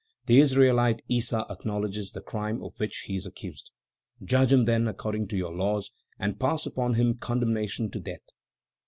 The Israelite Issa acknowledges the crime of which he is accused. Judge him, then, according to your laws and pass upon him condemnation to death."